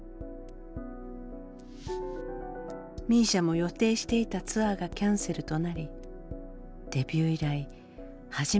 ＭＩＳＩＡも予定していたツアーがキャンセルとなりデビュー以来初めて歌う場所を奪われてしまいました。